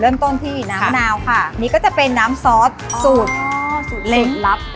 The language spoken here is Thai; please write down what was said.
เริ่มต้นที่น้ำมะนาวค่ะอันนี้ก็จะเป็นน้ำซอสสูตรเลยลับ